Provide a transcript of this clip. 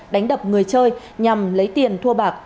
đánh đập người chơi nhằm lấy tiền thua bạc